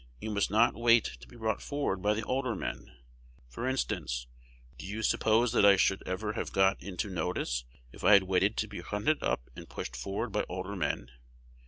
You must not wait to be brought forward by the older men. For instance, do you suppose that I should ever have got into notice if I had waited to be hunted up and pushed forward by older men.